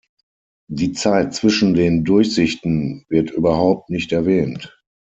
Die Zeit zwischen den Durchsichten wird überhaupt nicht erwähnt.